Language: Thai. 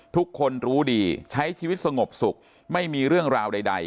ทุกคนรู้ดีใช้ชีวิตสงบสุขไม่มีเรื่องราวใด